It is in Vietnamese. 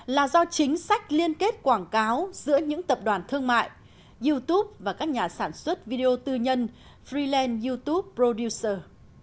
là do chính sách liên kết quảng cáo giữa những tập đoàn thương mại youtube và các nhà sản xuất video tư nhân freeland youtube producer